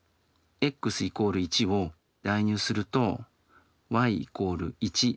ｘ＝１を代入するとｙ＝１。